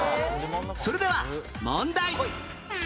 それでは問題